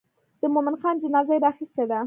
د مومن خان جنازه یې راخیستې ده.